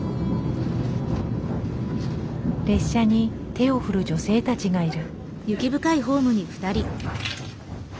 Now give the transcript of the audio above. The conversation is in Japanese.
列車に手を振る女性たちがいる。